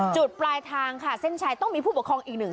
ปลายทางค่ะเส้นชัยต้องมีผู้ปกครองอีกหนึ่ง